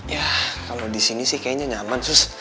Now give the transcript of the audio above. ya kalau di sini sih kayaknya nyaman sih